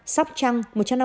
sóc trăng một trăm năm mươi